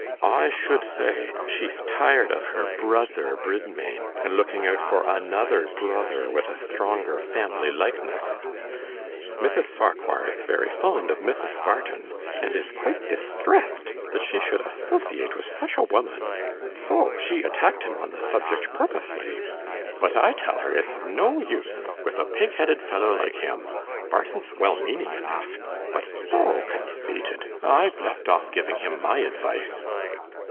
I should thay, she'th tired of her brother Bridmain, and looking out for another brother with a thtronger family likeneth. Mithith Farquhar ith very fond of Mithith Barton, and ith quite dithtrethed that she should athothiate with thuch a woman, tho she attacked him on the thubject purpothly. But I tell her it'th of no uthe, with a pig headed fellow like him. Barton'th well meaning enough, but tho contheited. I've left off giving him my advithe.